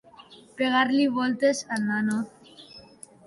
Pegar-li voltes al nano.